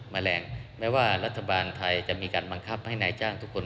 แมลงแม้ว่ารัฐบาลไทยจะมีการบังคับให้นายจ้างทุกคน